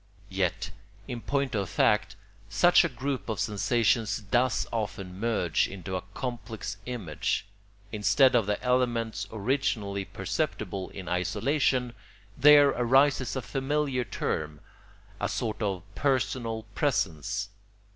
Yet, in point of fact, such a group of sensations does often merge into a complex image; instead of the elements originally perceptible in isolation, there arises a familiar term, a sort of personal presence.